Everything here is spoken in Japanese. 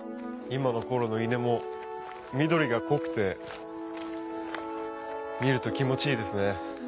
今の頃の稲も緑が濃くて見ると気持ちいいですね。